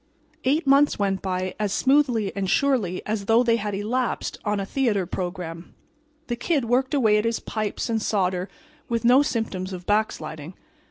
Eight months went by as smoothly and surely as though they had "elapsed" on a theater program. The Kid worked away at his pipes and solder with no symptoms of backsliding.